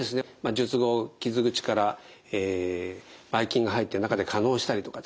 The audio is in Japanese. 術後傷口からばい菌が入って中で化のうしたりとかですね